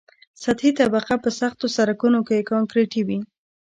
سطحي طبقه په سختو سرکونو کې کانکریټي وي